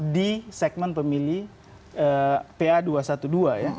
di segmen pemilih pa dua ratus dua belas ya